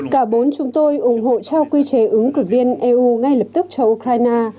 cả bốn chúng tôi ủng hộ trao quy chế ứng cử viên eu ngay lập tức cho ukraine